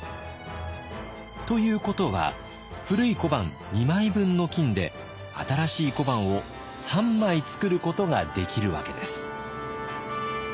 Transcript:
ということは古い小判２枚分の金で新しい小判を３枚造ることができるわけです。